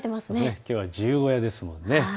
きょうは十五夜ですね。